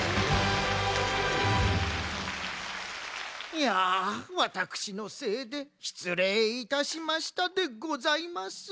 いやワタクシのせいでしつれいいたしましたでございます。